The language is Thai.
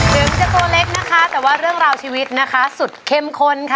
ถึงจะตัวเล็กนะคะแต่ว่าเรื่องราวชีวิตนะคะสุดเข้มข้นค่ะ